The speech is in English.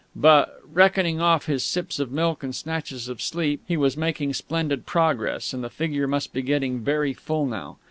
But, reckoning off his sips of milk and snatches of sleep, he was making splendid progress, and the figure must be getting very full now.